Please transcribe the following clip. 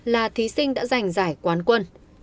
là thí sinh đã giành giải quán quân